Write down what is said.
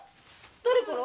誰から？